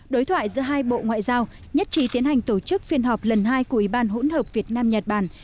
đối thoại giữa hai bộ ngoại giao nhất trí tiến hành tổ chức phiên họp lần hai của ubh việt nam nhật bản